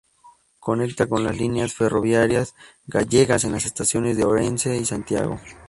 Conecta con las líneas ferroviarias gallegas en las estaciones de Orense y Santiago.